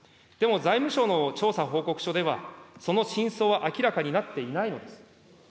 でも財務相の調査報告書では、その真相は明らかになっていないのです。